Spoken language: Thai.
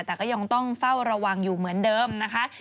แต่ก็ยังต้องเฝ้าระวังอยู่เหมือนเดิมนะคะ